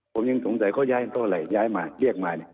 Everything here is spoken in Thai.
ผมยังสงสัยเขาย้ายกันเพราะอะไรย้ายมาเรียกมาเนี่ย